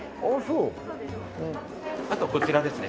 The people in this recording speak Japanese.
あとこちらですね。